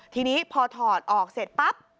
ทีนี้พอถอดออกเสร็จปั๊บ